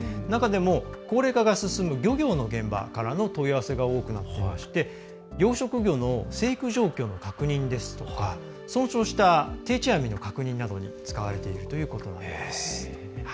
中でも、高齢化が進む漁業の現場からの問い合わせが多くなっていまして養殖魚の成育状況の確認ですとか損傷した定置網の確認に使われているということです。